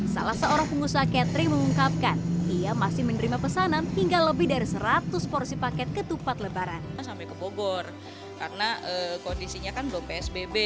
sampai ke bogor karena kondisinya kan belum psbb